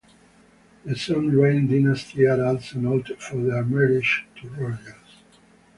The Sudreim dynasty are also noted for their marriages to royals.